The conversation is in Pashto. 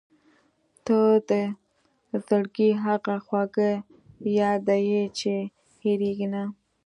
• ته د زړګي هغه خواږه یاد یې چې هېرېږي نه.